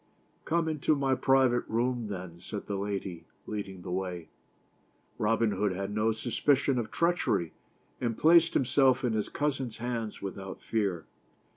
" Come into my private room then," said the lady, leading the way. Robin Hood had no suspicion of treachery, and placed himself in his cousin's hands without fear.